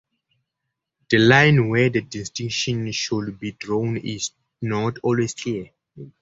The line where the distinction should be drawn is not always clear.